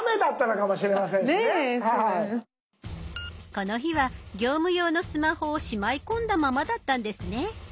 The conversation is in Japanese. この日は業務用のスマホをしまい込んだままだったんですね。